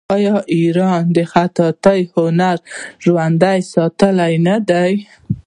آیا ایران د خطاطۍ هنر ژوندی ساتلی نه دی؟